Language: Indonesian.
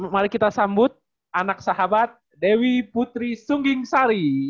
mari kita sambut anak sahabat dewi putri sungging sari